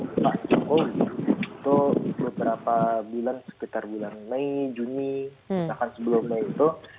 itu beberapa bulan sekitar bulan mei juni misalkan sebelum mei itu